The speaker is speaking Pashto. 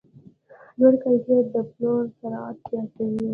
لوړ کیفیت د پلور سرعت زیاتوي.